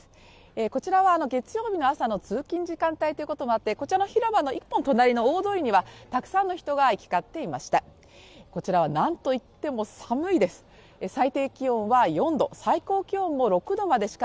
こちらは月曜日の朝の通勤時間帯ということもあってこちらの広場の一本隣の大通りは、たくさんの人が行き交っていました。